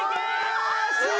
惜しい！